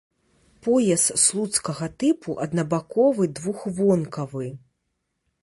Пояс слуцкага тыпу аднабаковы двухвонкавы.